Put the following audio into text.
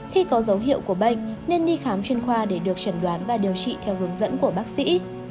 khi có dấu hiệu của bệnh nên đi khám chuyên khoa để được trần đoán và điều trị theo hướng dẫn của bác sĩ